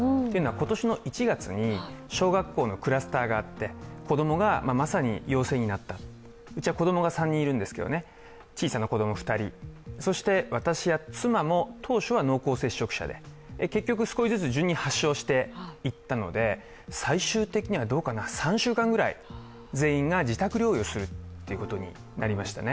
今年の１月に小学校のクラスターがあって子供がまさに陽性になって、うちは子供が３人いるんですが、小さな子供２人、私や妻も当初は濃厚接触者で結局、少しずつ順に発症していったので最終的には３週間ぐらい、全員が自宅療養するということになりました。